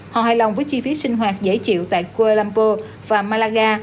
họ hài lòng với chi phí sinh hoạt dễ chịu tại kuala lumpo và malaga